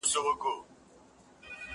کار د زده کوونکي له خوا کيږي،